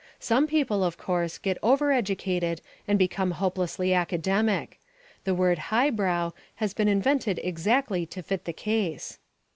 Some people, of course, get overeducated and become hopelessly academic. The word "highbrow" has been invented exactly to fit the case.